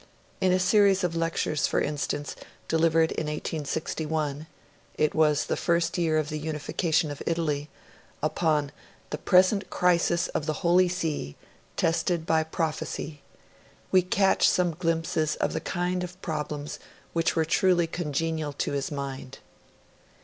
In a series of lectures, for instance, delivered in 1861 it was the first year of the unification of Italy upon 'The Present Crisis of the Holy See, tested by prophecy', we catch some glimpses of the kind of problems which were truly congenial to his mind.